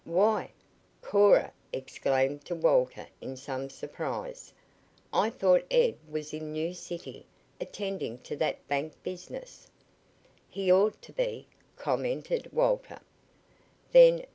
"Why!" Cora exclaimed to Walter in some surprise, "I thought Ed was in New City, attending to that bank business." "He ought to be," commented Walter.